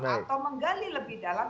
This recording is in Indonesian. atau menggali lebih dalam